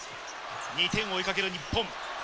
２点を追いかける日本。